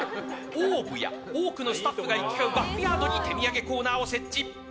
ＯＷＶや多くのスタッフが行き交うバックヤードに手土産コーナーを設置。